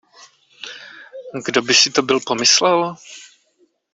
Kdo by si to byl pomyslel?